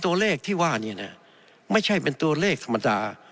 ตัวเลขที่ว่านี่นะไม่ใช่เป็นตัวเลขธรรมดา